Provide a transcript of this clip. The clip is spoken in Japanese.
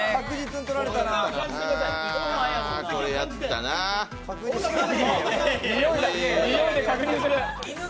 においで確認する。